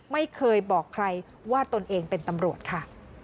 ไม่เคยบอกใครว่าตนเองเป็นตำรวจค่ะ